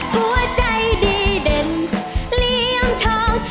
หัวใจดีเด่นเลี้ยงช้อน